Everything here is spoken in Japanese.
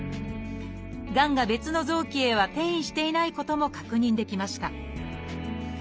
がんが別の臓器へは転移していないことも確認できました